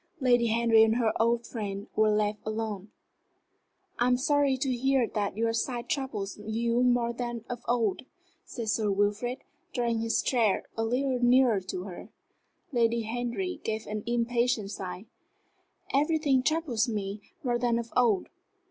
Lady Henry and her old friend were left alone. "I am sorry to hear that your sight troubles you more than of old," said Sir Wilfrid, drawing his chair a little nearer to her. Lady Henry gave an impatient sigh. "Everything troubles me more than of old.